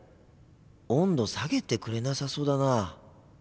温度下げてくれなさそうだな。